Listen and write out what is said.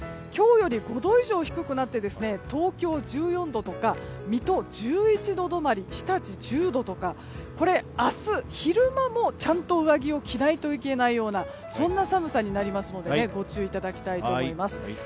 今日より５度以上低くなって東京１４度とか水戸１１度止まり日立１０度とかこれ、明日昼間もちゃんと上着を着ないといけない寒さになりますのでご注意いただきたいと思います。